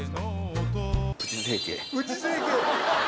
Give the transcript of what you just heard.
プチ整形！